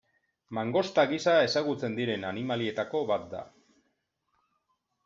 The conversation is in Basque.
Mangosta gisa ezagutzen diren animalietako bat da.